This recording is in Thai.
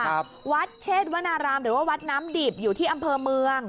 ครับวัดเชษวนารามหรือว่าวัดน้ำดิบอยู่ที่อำเภอเมือง